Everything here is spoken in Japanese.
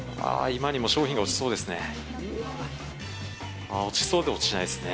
今にも商品が落ちそうですね。